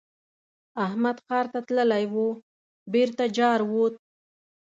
احمد ښار ته تللی وو؛ بېرته جارووت.